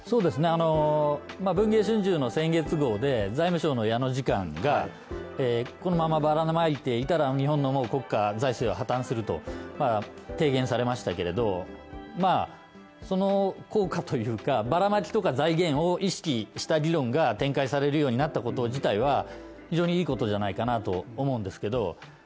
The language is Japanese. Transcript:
「文藝春秋」の先月号で、財務省の矢野次官がこのままばらまいていたら日本の国家財政は破綻すると提言されましたけれど、その効果というかバラマキとか財源を意識した議論が展開されるようになったこと自体は非常にいいことじゃないかなと思うんですけど。